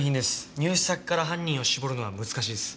入手先から犯人を絞るのは難しいです。